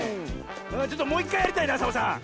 ちょっともういっかいやりたいなサボさん。